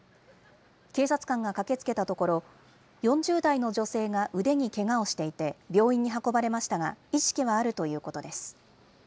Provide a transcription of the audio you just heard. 警察官が駆けつけたところ、４０代の女性が腕にけがをしていて、病院に運ばれましたが、意識はあるということです。